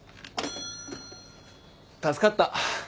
助かった。